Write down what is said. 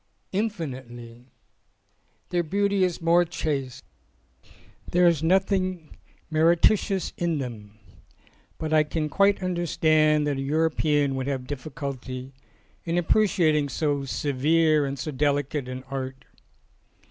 "Infinitely. Their beauty is more chaste. There is nothing meretricious in them. But I can quite understand that a European would have difficulty in appreciating so severe and so delicate an art.